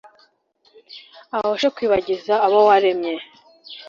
ahoshe kwigabiza abo waremye